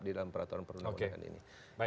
di dalam peraturan perlengkapan ini